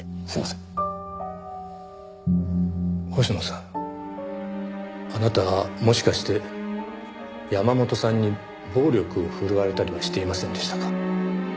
星野さんあなたもしかして山本さんに暴力を振るわれたりはしていませんでしたか？